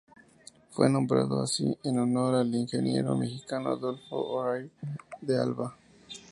Fue nombrado así en honor al ingeniero mexicano Adolfo Orive de Alba.